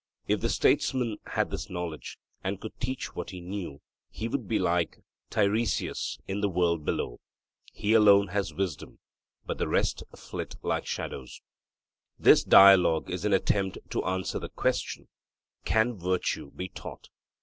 If the statesman had this knowledge, and could teach what he knew, he would be like Tiresias in the world below, 'he alone has wisdom, but the rest flit like shadows.' This Dialogue is an attempt to answer the question, Can virtue be taught?